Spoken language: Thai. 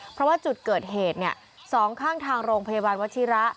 เพราะว่าจุดเกิดเหตุสองข้างทางโรงพยาบาลวชิระ